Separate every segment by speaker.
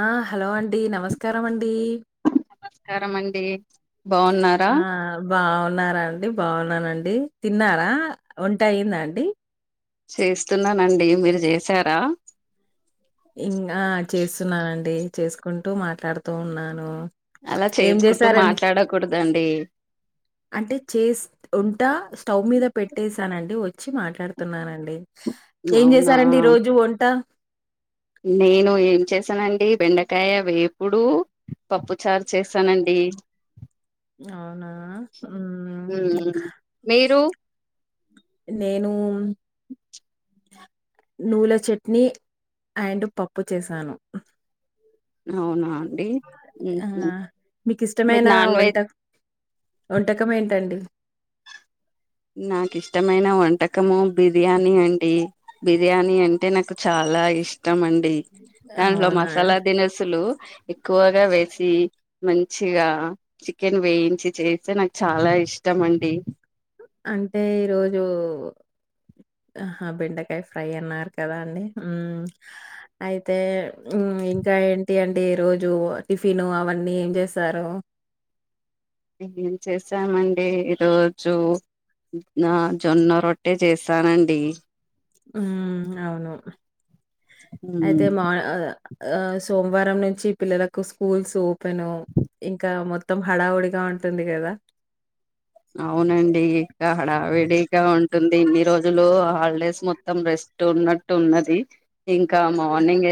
Speaker 1: ఆ! హలో అండి నమస్కారం అండి
Speaker 2: నమస్కారం అండి బాగున్నారా
Speaker 1: ఆ బాగు న్నారా అండి బాగున్నానండి తిన్నారా వంటయిందా అండి
Speaker 2: చేస్తున్నానండి మీరు చేసారా
Speaker 1: ఇం ఆ చేస్తున్నానండి చేసుకుంటూ మాట్లాడుతూ ఉన్నాను
Speaker 2: అలా
Speaker 1: ఏం
Speaker 2: చేసుకుంటూ
Speaker 1: జేశారండి?
Speaker 2: మాట్లాడకూడదండి
Speaker 1: అంటే చేస్ ఉంటా స్టవ్ మీద పెట్టేసానండి వ వచ్చి మాట్లాడుతున్నానండి ఏం
Speaker 2: అవునా
Speaker 1: చేశారండి ఈ రోజు వంట
Speaker 2: నేను ఏం చేసానండి బెండకాయ వేపుడు పప్పు చారు చేసానండి
Speaker 1: అవునా హ్మ్.
Speaker 2: హ్మ్మ్ మీరు
Speaker 1: నేను నువ్వుల చట్నీ అండ్ పప్పు చేశాను
Speaker 2: అవునా అండి
Speaker 1: ఆ
Speaker 2: ఉహు
Speaker 1: మీకు
Speaker 2: మీరు
Speaker 1: ఇష్టమైన
Speaker 2: నాన్
Speaker 1: వంట
Speaker 2: వెజ్
Speaker 1: వంటకం ఏంటండి
Speaker 2: నాకు ఇష్టమైన వంట కము బిర్యానీ అండి బిర్యానీ అంటే నాకు చాలా ఇష్టం అండి దాంట్లో
Speaker 1: అవునా!
Speaker 2: మసాలా దినుసులు ఎక్కువగా వేసి మంచిగా చికెన్ వేయించి చేస్తే నాకు చాలా ఇష్టమండి
Speaker 1: అంటే ఈరోజు ఆహ బెండకాయ ఫ్రై అన్నారు కదా అండి ఉమ్ అయితే ఇంకా ఏంటి అండి ఈ రోజు టిఫిన్ అవన్నీ ఏం చేసారు
Speaker 2: ఇడ్లీలు చేసామండి ఈ రోజు నా జొన్న రొట్టే చేసానండి
Speaker 1: ఉ అవును అయితే
Speaker 2: ఉమ్
Speaker 1: మా ఆ సోమవారం నుంచి పిల్లలకు స్కూల్స్ ఓపెన్ ఇంకా మొత్తం హడావుడిగా ఉ ఉంటుంది కదా
Speaker 2: అవునండి ఇంకా హడావిడిగా ఉంట టుంది ఇన్ని రోజులు హాలిడేస్ మొత్తం రెస్ట్ ఉన్నట్టు ఉన్నది ఇంకా మార్నింగ్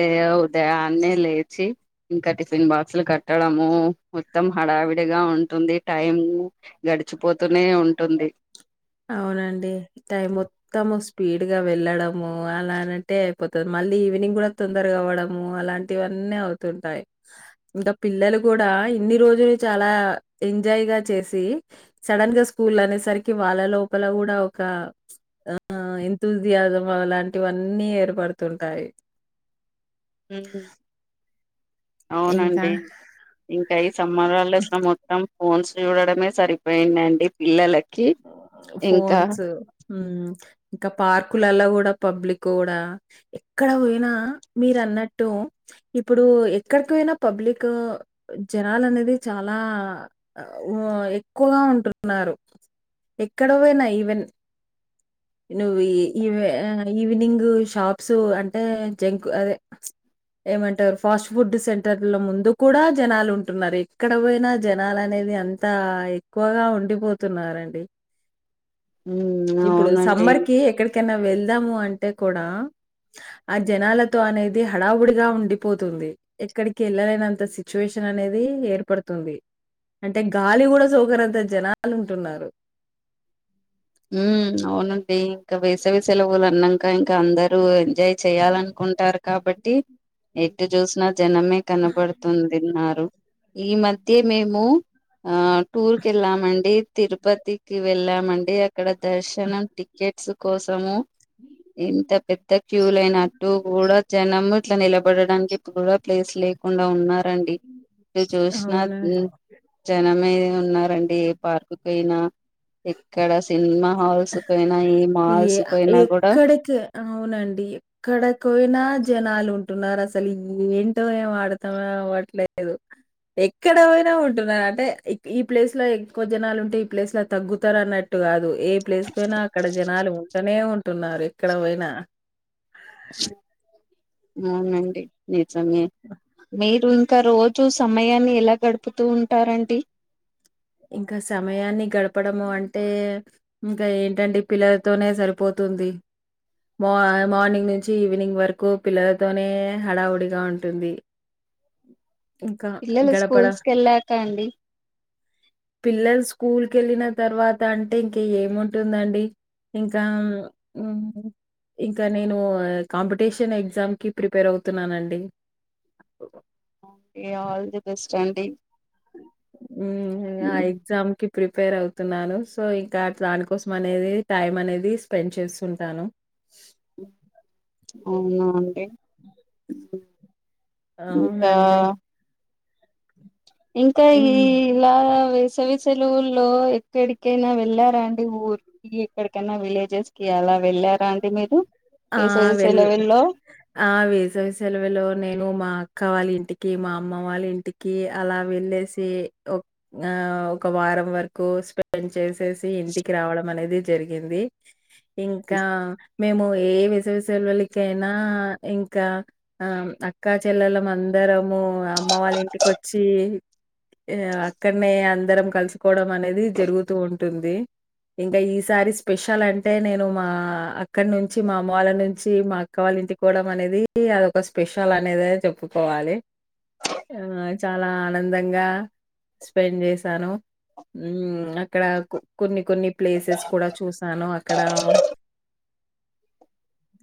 Speaker 2: ఉదయాన్నే లేచి ఇంకా టిఫిన్ బాక్స్లు కట్టడము మొత్తం హడావి డిగా ఉంటుంది టైం గడిచిపోతూనే ఉంటుంది
Speaker 1: అవునండి టైం మొత్తము స్పీడ్ గా వెళ్ళడము అలానంటే పోతది మళ్ళీ ఈవినింగ్ కూడా తొందర కావడము అలాంటివన్నీ అవుతుంటాయి ఇంకా పిల్లలు కూడా ఇన్ని రోజులు చాలా ఎంజాయ్ గా చేసి సడన్ గా స్కూల్ అనేసరికి వాళ్ళ లోపల కూడా ఒక ఎంథూసియాసమ్ అలాంటివన్నీ ఏర్పడుతయి తుంటాయి
Speaker 2: ఉహు
Speaker 1: ఇంకా
Speaker 2: అవునండి ఇంకా ఈ సమ్మర్ హాలిడేస్ లో మొత్తం ఫోన్స్ చూడడమే సరిపోయిందండి పిల్లలకి ఇంకా
Speaker 1: ఫోన్స్ ఉ ఇంకా పార్కులలో కూడా పబ్లిక్ కూడా ఎక్కడ పోయినా మీరన్నట్టు ఇప్పుడు ఎక్కడికియినా పబ్లిక్ జనాలు అనేది చాలా ఆ ఊ ఎక్కువగా ఉంటున్నారు ఎక్కడ పోయినా ఈవెన్ నువ్ ఈ ఈవ ఈవినింగ్ షాప్స్ అంటే జంక్ అదే చ ఏమంటరు ఫాస్ట్ ఫుడ్ సెంటర్ల ముందు కూడా జనాలు ఉంటున్నారు ఎక్కడ పోయినా జనాలు అనేది ది అంతా ఎక్కువగా ఉండిపోతున్నారండి
Speaker 2: ఉ
Speaker 1: ఇప్పుడు సమ్మర్ కి ఎక్కడికైనా వెళ్దాము అంటే కూడా ఆ జనాలతో అనేది హడావుడిగా ఉండిపోతుంది ఎక్కడికి వెళ్ళలేనంత సిచ్యువేషన్ అనేది ఏర్పడుతుంది అంటే గాలి గుడా శోకనంత జనాలు ఉంటున్నారు [unintelligible]
Speaker 2: ఉ అవునండి ఇంకా వేసవి సెలవులు అన్నాక ఇంకా అందరు జాయ్ చెయాలనుకుంటారు కాబట్టి ఎటు చూసినా జనమే కనపడుతుందిన్నారు ఈ మధ్య మేము ఆ టూర్ కేళ్ళామండి తిరుపతి కి వెళ్ళామండి అక్కడ దర్శనం టికెట్స్ కోసము ఇంత పెద్ద క్యూలు అయినట్టు కూడా జనం ఇట్లా నిలబడడానికి ఇప్పుడు కూడా ప్లేస్ లే లేకుండా ఉన్నారండి ఇడు చూసిన
Speaker 1: అవును. అ!
Speaker 2: జనమే ఉన్నారండి ఏ పార్క్యినా ఎక్కడ సినిమా హాల్స్యినా
Speaker 1: ఏ ఎక్కడికి అవునండి ఎక్కడకయినా జనాలు ఉ కుంటున్నారు అసలు ఏంటో ఏమో అర్దం కావట్లేదు ఎక్కడ పోైనా ఉంటున్నారు అంటే ఈ ప్లేస్ లో ఎక్కువ జనాలు ఉంటే ఈ ప్లేస్ లో తగ్గుతారు అన్నట్టు కాదు ఏ ప్లేసుకు పోయినా అక్కడ జనాలు ఉంటనే ఉంటున్నారు ఎక్కడ పోయినా
Speaker 2: అవునండి నిజమే మీ ఇంకా రోజూ సమయాన్ని ఎలా గడుపుతూ ఉంటారండి
Speaker 1: ఇంకా సమయాన్ని గడపడము అంటే ఇంకా ఏంటండి పిల్లలతోనే సరిపోతు తుంది మా మార్నింగ్ నుంచి ఈవినింగ్ వరకు పిల్లలతోనే హడావుడిగా ఉంటుంది ఇంకా
Speaker 2: పిల్లలు
Speaker 1: గడపడ
Speaker 2: స్కూల్స్ కి వెళ్ళాక అండి
Speaker 1: పిల్లలుసు కూల్ కేళ్ళిన తర్వాత అంటే ఇంక ఏముంటుందండి ఇంకా ఉ ఇంకా నేను కాంపిటీషన్ ఎగ్జామ్ కి ప్రిపేర్ అవుతున్నానండి
Speaker 2: ఏ ఆల్ ది బెస్ట్ అండి
Speaker 1: ఉ ఇగ ఆ
Speaker 2: ఉమ్,
Speaker 1: ఎగ్జామికీ ప్రిపేర్ అవుతున్నాను సో ఇంకా దానికోసం అనేది టైం అనేది స్పెండ్ చేస్తుంటాను
Speaker 2: అవునా అండి
Speaker 1: అవునండి
Speaker 2: ఇంకా ఇంకా
Speaker 1: హ్మ్.
Speaker 2: ఈలా వే విసవి సెలవుల్లో ఎక్కడికైనా వెళ్ళారంండి ఊరికి ఎక్కడికైనా విలేజెస్ కి అలా ారా అండి మీరు
Speaker 1: ఆ! వెల్
Speaker 2: వేససేలవులో
Speaker 1: ఆ వేసవి సెలవులో నేను మా అక్క వల్ల ఇంటి కి మా అమ్మ వాళ్ళ ఇంటికి అలా వెళ్ళేసి ఆ ఒక వారం వరకు స్పెండ్ చేసేసి ఇంటికి రావడం అనేది జరిగింది ఇంకా మేము ఏ విసవిసల్వలకైనా ఇంకా ఆ అక్కా చెల్లలం అందర దరము అమ్మ వాళ్ళ ఇంటికి వచ్చి ఈ అక్కనే అందరం కలుసుకోవడం అనేది జరుగుతూ ఉంటుంది ఇంకా ఈసారి స్పెషల్ అంటే నేను మా ఆ అక్కడి నుంచి మా అమ్మ వాళ్ళ నుంచి మా అక్క వాళ్ళ ఇంటికి పోవడం అనేది అదోక స్పెషల్ అనేది చెప్పుకోవాలి ఆ చాలా ఆనందంగా స్పెండ్ చేసాను అక్కడ కొన్ని కొన్ని ప్లేసెస్ కూడా చూసాను అక్కడ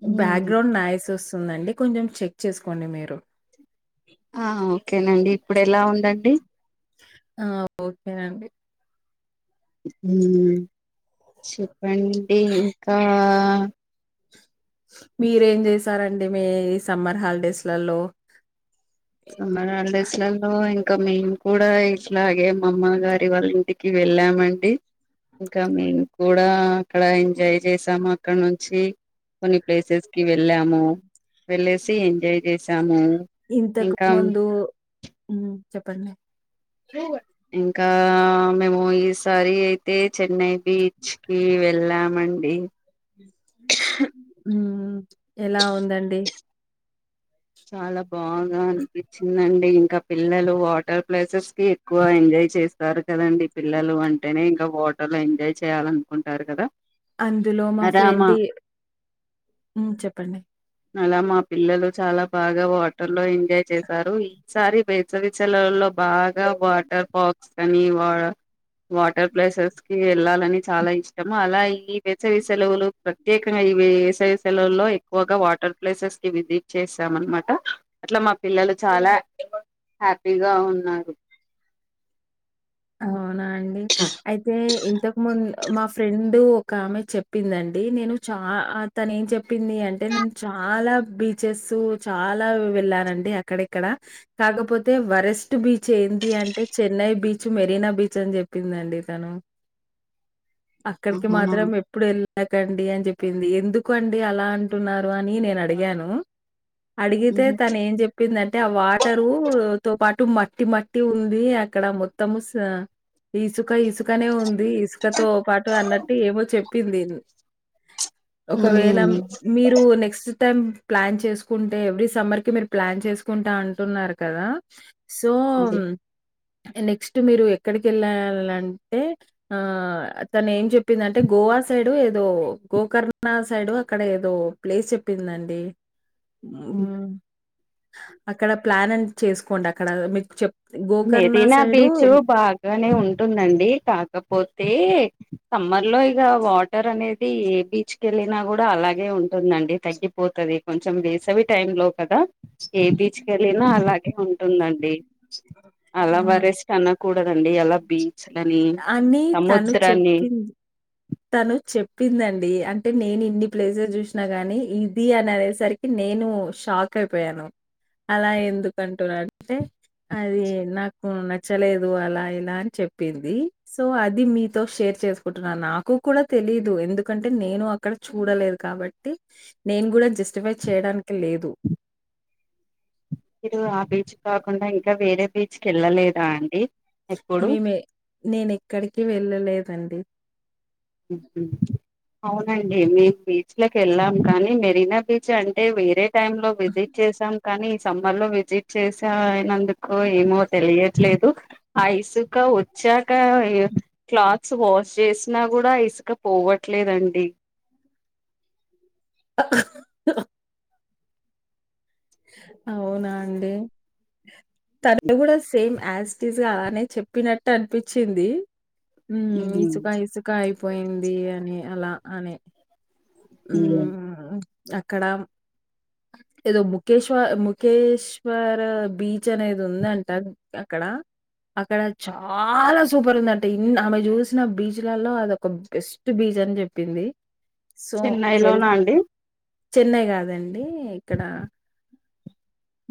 Speaker 2: ఉమ్
Speaker 1: బ్యాక్గ్రౌండ్ నైస్ వస్తుందండి కొంచెం చెక్ చేసుకోండి మీరు
Speaker 2: ఆ ఓకేనండి ఇప్పుడు ఎలా ఉందండి
Speaker 1: ఆ ఓకేనండి
Speaker 2: ఉమ్ చెప్పండి ఇంకా
Speaker 1: మీరేం చేసారండి మీ సమ్మర్ హాలిడేస్లలో
Speaker 2: సమ్మర్ హాలిడేస్లలో ఇంకా మేము కూడా ఇట్లాగే మా మ్మగారి వాళ్ళ ఇంటికి కి వెళ్ళామండి ఇంకా మేము కూడా అక్కడ ఎంజాయ్ చేసాము అక్కడ నుంచి కొన్ని ప్లేసెస్ కి వెళ్ళాము వెళ్లేసి ఎంజాయ్ చేసాము
Speaker 1: ఇంతకు
Speaker 2: ఇంకా
Speaker 1: ముందు ఉమ్ చెప్పండి
Speaker 2: ఇంకా మేము ఈసారి అయితే చెన్నై బీచ్కి వెళ్ళామండి
Speaker 1: ఉమ్ ఎలావుందండీ
Speaker 2: చాలా బాగా అనిపించిందండి టే ఇంకా పిల్లలు వాటర్ ప్లేసెస్ కి ఎక్కువ ఎంజాయ్ చేస్తారు కదండి పిల్లలు అంటేనే ఇంకా క వాటర్లో ఎంజాయ్ చేయాలనుకుంటారు కదా
Speaker 1: అందులో మా ఫ్రెండే ఉమ్ చెప్పండి
Speaker 2: అలా మా పిల్లలు చాలా బాగా వాటర్ లో ఎంజాయ్ చేశారు ఈసారి వేచవి చలలో బాగా వాటర్ పార్ ర్కు అని వా వాటర్ ప్లేసెస్ కి ఏళ్ళాలని చాలా ఇష్టం అలా ఈ వేసవి సెలవులు ప్రత్యేకమ్ ఇగ వేసవి సెలవులలో ఎక్కువగా వాటర్ ప్లేసెస్ కి విజిట్ చేస్ చేసాం అనమాట ఇంట్లో మా పిల్లలు చాలా హ్యాపీగా ఉన్నారు
Speaker 1: అవునా అండి అయితే ఇంతకు ముందు మా ఫ్రెండ్ ఒక ఆమె చెప్పిందండి నేను చా తను ఏం చెప్పింది అంటే నేను చ చాలా బీచెస్ చాలా వెళ్ళానండి అక్కడెక్కడ కాకపోతే వరస్ట్ బీచ్ ఏంది అంటే Chennai beach beach Marina beach అని చెప్పిందండి తను అక్కడికి
Speaker 2: అవునా
Speaker 1: మాత్రం ఎప్పుడు వెళ్ళకండి అని చెప్ చెప్పింది ఎందుకు అండి అలా అంటున్నారు అని నేను అడిగాను అడిగితే
Speaker 2: ఉహు
Speaker 1: తను ఏం చెప్పిందంటే ఆ వాటరు తో పాటు మట్ ట్టి మట్టి ఉంది అక్కడ మొత్తము ఇస ఇసుక ఇసుకనే ఉంది ది ఇసుకతో పాటు అన్నట్టు ఏమో చెప్పింది ఒకవేళ మీరు నెక్స్ట్ టం ప్లాన్ చేసుకుంటే ఎవ్రీ సమ్మర్ కి మీరు ప్లాన్ చేసుకుంటా అంటున్నారు కదా సో
Speaker 2: ఉమ్
Speaker 1: నెక్స్ట్ టు మీరు ఎక్కడికి ఏళ్ళాలంటే ఆ తను ఏం చెప్పిందంటె గోవా సైడ్ ఏదో గోకర్ణ సైడ్ అక్కడ ఏదో ప్లేస్ చెప్పిందండి ఉమ్ అక్కడ ప్లాన్ నని చేసుకోండి అక్కడ మీకు చెప్ గోకర్ణ
Speaker 2: మెరీనా
Speaker 1: సైడు
Speaker 2: బీచ్ బాగానే ఉంటుందండి కాకపోతే సమ్మర్ లో ఇగ వాటర్ అనేది బీచ్ కెళ్ళినా కూడా అలాగే ఉంటుందండి తగ్గిపోతుది కొంచెం వేసవి టైమ్ లో కదా ఏ బీచ్కి వెళ్ళిన అలానే ఉంటుందండి అలా
Speaker 1: ఆ!
Speaker 2: వరేస్ట్ అనకూడ అలా బీచ్లని
Speaker 1: అని తను
Speaker 2: సముద్రాన్ని
Speaker 1: చెప్పింది. తను చెప్ చెప్పిందండి అంటే నేను ఇన్ని ప్లేసెస్ చూసినా గాని ఇది అని అనేసరికి నేను షా [unintelligible] అయిపోయాను అలా ఎందుకుంటున్నా అంటే అది నాకు నచ్చలేదు అలా ఇలా అని చెప్పింది సో అది మీతో షేర్ చేసుకుంటున్నాను కూడా తెలీదు ఎందుకంటే నేను అక్కడ చూడలేదు కాబట్టి నేను కూడ జస్టిఫై చే యడానికి లేదు
Speaker 2: మీరు ఆ బీచ్ కాకుండ ఇంకా వేరే బీచ్కి వెళ్ళలేదా అండి ఎప్పుడు
Speaker 1: మేమే నేను ఎక్కడికి వెళ్ళలేదండి
Speaker 2: హు హు అవునండి మేము బీచ్ కి వెళ్ళాం కానీ మెరినా బీచ్ అంటే వేరే టైమ్ లో విజిట్ చేశాం కానీ ఈ సమ్మర్ లో విజిట్ చే అయినందుకు ఏమో తెలియదు లేదు ఆ ఇసుకా వచ్చాక క్లాత్స్ వాష్ చేసినా కూడ ఇసుక పోవట్లేదండి
Speaker 1: అవునా అండి తను కూడ సేమ్ [unintelligible] అలానే చెప్పినట్టు అనిపిచింది ఉ ఇసుక ఇసుక అయిపోయింది అని అలా అనే ఊ అక్కడ ఏదో ముఖేశ్వ ముఖేశ్వర బీచ్ అనేది ఉందంట అక్కడ అక్కడ చాల సూపర్ ఉంద అంటే ఆమె చూసిన బీచ్లలో అద ఒక బెస్ట్ బీచ్ అని చెప్పింది సో వెల్
Speaker 2: చెన్నైలోనా అండి
Speaker 1: చెన్నై కాదండి ఎక్కడ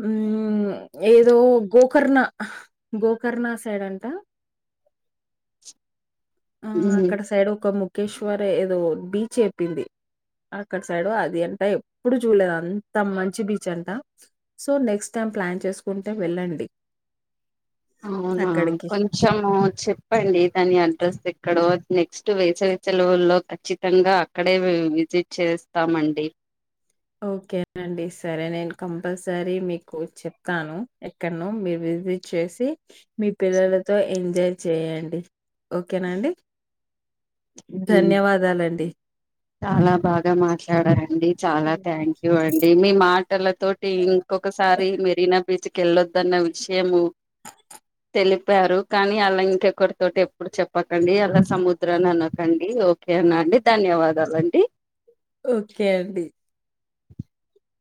Speaker 1: ఉ ఏదో గోకర్ణ గోకర్ణ సైడ్ అంట ఆ
Speaker 2: హ్మ్
Speaker 1: అక్కడ సైడ్ ఒక [unintelligible] ముకేశ్వర ఏదో బీచ్ చెప్పింది అక్కడ సైడు అది అంట ఎప్పుడు చూడలేదు అంత మంచి బీచ్ అంట సో నెక్స్ట్ టైం ప్లాన్ చేసుకుంటే వెళ్ళండి
Speaker 2: అవునా
Speaker 1: అక్కడికి.
Speaker 2: కొంచెం చెప్పండి దాని అడ్రస్ ఎ ఇక్కడ నెక్స్ట్ వేసవి సెలవల్లో ఖచ్చితంగా అక్కడే విజిట్ చేస్తామండి
Speaker 1: ఓకే అండి సరే నేను కంపల్సరీ మీకు చెప్తాను ఎక్కనో విజిట్ చేసి మీ పిల్లలతో ఎంజాయ్ చేయండి ఓకేనాండి
Speaker 2: చాల బాగ మాట్లాడారండి చాలా థ్యాంక్ యూ అండి మీ మాటలతోటి ఇంకొకసారి మెరనా బీ కల్లొద్దన్న విషయము
Speaker 1: [inaudible]
Speaker 2: తెలిపారు కానీ అలా ఇంకెకరి తోటి ఎప్పుడు చెప్పకండి అలా సముద్రన్ని అన అండి ఓకే న అండి ధన్యవాదాలండి
Speaker 1: ఓకే అండి
Speaker 2: [inaudible]